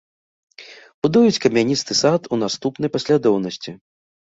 Будуюць камяністы сад у наступнай паслядоўнасці.